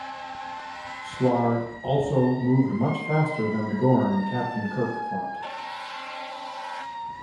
Slar also moved much faster than the Gorn Captain Kirk fought.